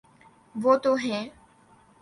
وہ تو ہیں۔